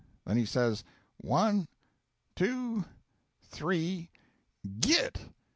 Then he says, 'One two three git!'